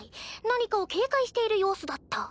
何かを警戒している様子だった。